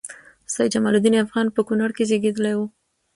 سيدجمال الدين افغان په کونړ کې زیږیدلی وه